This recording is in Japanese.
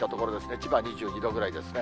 千葉２２度ぐらいですね。